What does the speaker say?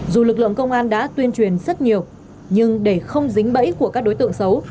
dù lực lượng công an đã tuyên truyền rất nhiều nhưng để không dính bẫy của các đối tượng xấu